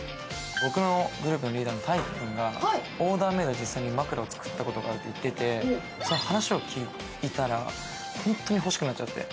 僕のグループのリーダーの大樹君がオーダーメード枕を作ったことがあるって言ってて話を聞いたら、本当に欲しくなっちゃって。